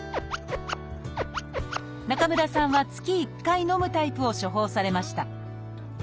中村さんは月１回のむタイプを処方されました。